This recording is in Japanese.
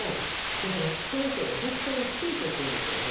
だからその人が絶対にスピーチをするんですよ。